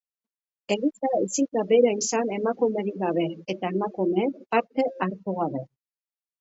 Eliza ezin da bera izan emakumerik gabe eta emakumeek parte hartu gabe.